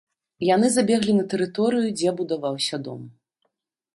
Яны забеглі на тэрыторыю, дзе будаваўся дом.